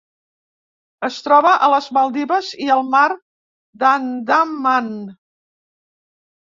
Es troba a les Maldives i el Mar d'Andaman.